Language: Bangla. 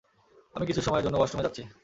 আমি কিছুসময়ের জন্য ওয়াশরুমে যাচ্ছি।